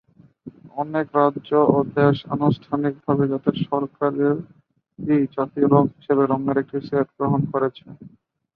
অনেক রাজ্য ও দেশ আনুষ্ঠানিকভাবে তাদের সরকারী "জাতীয় রঙ" হিসাবে রঙের একটি সেট গ্রহণ করেছে।